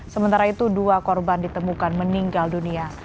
sementara itu dua korban ditemukan meninggal dunia